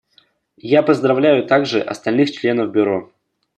Я поздравляю также остальных членов Бюро.